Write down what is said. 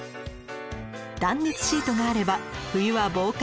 断熱シートがあれば冬は防寒